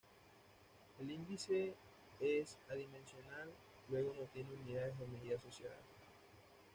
El índice es adimensional, luego no tiene unidades de medida asociadas.